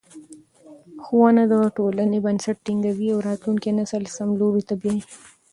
ښوونه د ټولنې بنسټ ټینګوي او راتلونکی نسل سم لوري ته بیايي.